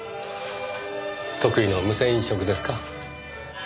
得意の無銭飲食ですか？